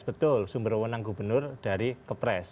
betul sumber undang undang gubernur dari kepres